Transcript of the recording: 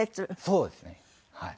そうですねはい。